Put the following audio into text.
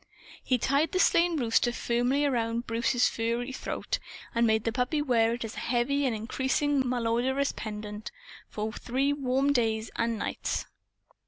He tied the slain rooster firmly around Bruce's furry throat, and made the puppy wear it, as a heavy and increasingly malodorous pendant, for three warm days and nights.